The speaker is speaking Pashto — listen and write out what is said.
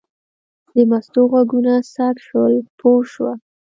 د مستو غوږونه څک شول پوه شوه.